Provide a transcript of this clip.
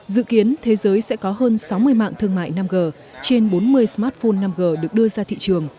dự kiến thế giới sẽ có hơn sáu mươi mạng thương mại năm g trên bốn mươi smartphone năm g được đưa ra thị trường